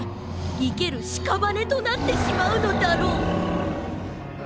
いけるしかばねとなってしまうのだろう」。